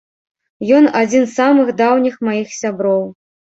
Ён адзін з самых даўніх маіх сяброў.